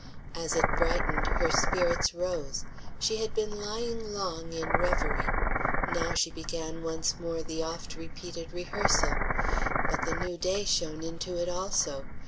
As it brightened, her spirits rose. She had been lying long in reverie; now she began once more the oft repeated rehearsal. But the new day shone into it also.